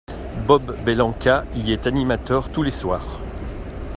Bob Bellanca y est animateur tous les soirs.